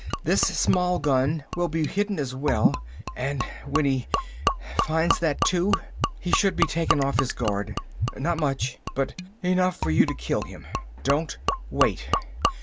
This small gun will be hidden as well, and when he finds that, too, he should be taken off his guard. Not much, but enough for you to kill him. Don't wait.